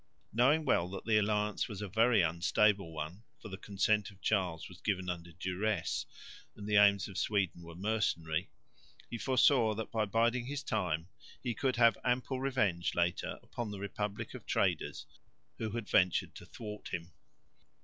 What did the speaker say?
Knowing well that the alliance was a very unstable one, for the consent of Charles was given under duress and the aims of Sweden were mercenary, he foresaw that by biding his time, he could have ample revenge later upon the republic of traders who had ventured to thwart him.